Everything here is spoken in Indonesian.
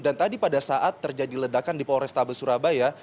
dan tadi pada saat terjadi ledakan di polrestabel surabaya